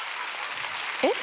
えっ？